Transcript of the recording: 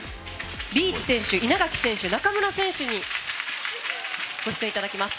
稲垣選手、中村選手にご出演いただきます。